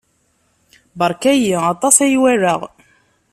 Beṛka-iyi, aṭas ay walaɣ.